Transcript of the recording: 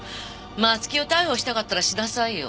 松木を逮捕したかったらしなさいよ。